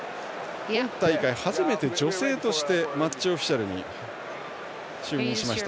今大会初めて女性としてマッチオフィシャルに就任しました。